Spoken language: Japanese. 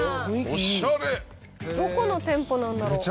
どこの店舗なんだろう？